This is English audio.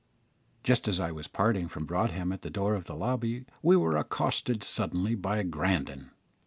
Just as I was parting from Broadhem at the door of the lobby we were accosted suddenly by Grandon.